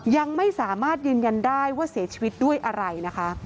ยังไม่สามารถยืนยันได้ว่าเสียชีวิตด้วยอะไรนะคะ